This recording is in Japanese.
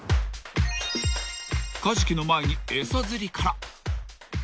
［カジキの前に餌釣りから］